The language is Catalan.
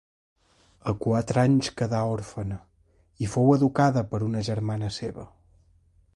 A quatre anys quedà òrfena i fou educada per una germana seva.